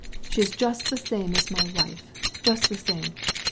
She's just the same as my wife, just the same.